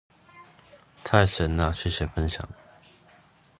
太神啦，謝謝分享